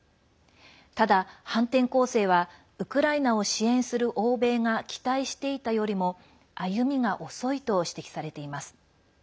ただ、反転攻勢はウクライナを支援する欧米が期待していたよりも歩みが遅いと指摘されています。